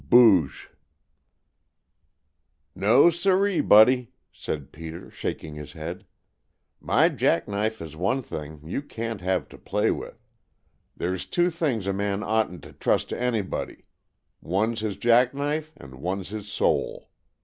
"BOOGE" "NO, siree, Buddy!" said Peter, shaking his head, "my jack knife is one thing you can't have to play with. There's two things a man oughtn't to trust to anybody; one's his jack knife and one's his soul.